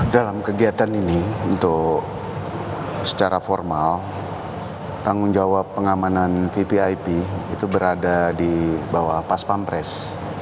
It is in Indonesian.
dalam kegiatan ini untuk secara formal tanggung jawab pengamanan vvip itu berada di bawah pas pampres